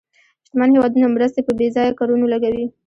شتمن هېوادونه مرستې په بې ځایه کارونو لګوي.